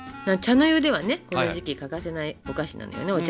茶の湯ではねこの時期欠かせないお菓子なのよね